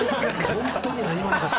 ホントに何もなかった。